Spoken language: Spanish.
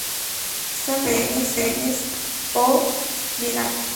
Son hierbas perennes o bienales.